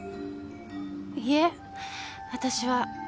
いえ私は。